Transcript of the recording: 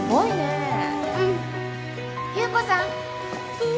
侑子さん。